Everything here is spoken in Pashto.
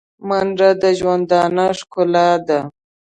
منډه د ژوندانه ښکلا ده